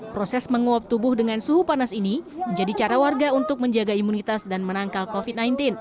proses menguap tubuh dengan suhu panas ini menjadi cara warga untuk menjaga imunitas dan menangkal covid sembilan belas